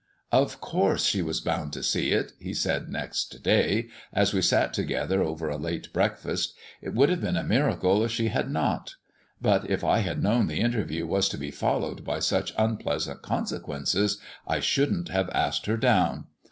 "Of course she was bound to see it," he said next day, as we sat together over a late breakfast. "It would have been a miracle if she had not; but if I had known the interview was to be followed by such unpleasant consequences I shouldn't have asked her down.